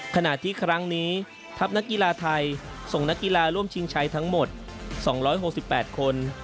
ขณะที่ครั้งนี้ทัพนักกีฬาไทยส่งนักกีฬาร่วมชิงชัยทั้งหมด๒๖๘คน